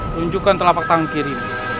tunjukkan telapak tangan kiri